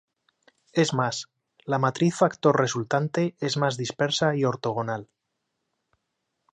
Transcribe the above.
Es más, la matriz factor resultante es más dispersa y ortogonal.